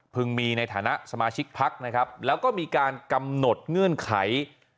มีในฐานะสมาชิกพักนะครับแล้วก็มีการกำหนดเงื่อนไข